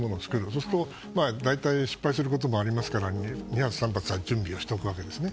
そうすると大体失敗することもありますから２発、３発は準備をしておくわけですね。